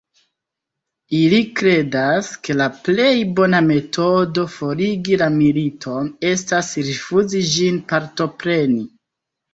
Ili kredas, ke la plej bona metodo forigi la militon, estas rifuzi ĝin partopreni.